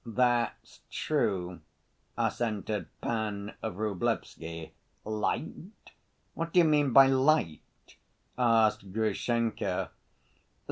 "That's true," assented Pan Vrublevsky. "Lite? What do you mean by 'lite'?" asked Grushenka.